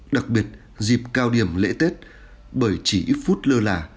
đặc biệt dịp cao điểm lễ tết bởi chỉ ít phút lơ là